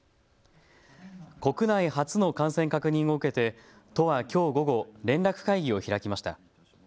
国内初の感染確認を受けて都はきょう午後、連絡会議を開きました。